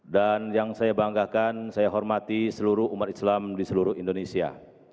dan yang saya banggakan saya hormati seluruh umat islam di seluruh indonesia